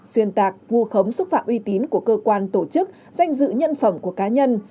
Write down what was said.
xuyên tạc vu khống xúc phạm uy tín của cơ quan tổ chức danh dự nhân phẩm của cá nhân